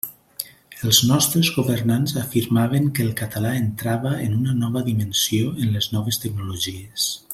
Els nostres governants afirmaven que el català entrava en una nova dimensió en les noves tecnologies.